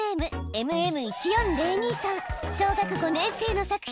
小学５年生の作品。